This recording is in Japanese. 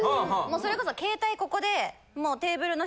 それこそ携帯ここで。